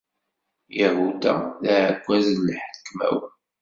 Yahuda, d aɛekkaz n lḥekma-w.